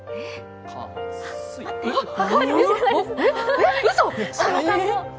えっ、うそっ！